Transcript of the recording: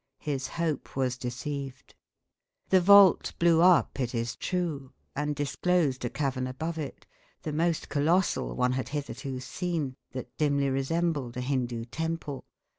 His hope was deceived. The vault blew up, it is true, and disclosed a cavern above it, the most colossal one had hitherto seen, that dimly resembled a Hindoo temple.